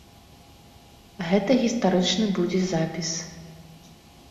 Гэта гістарычны будзе запіс.